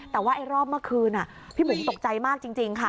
แต่ว่าไอ้รอบเมื่อคืนพี่บุ๋มตกใจมากจริงค่ะ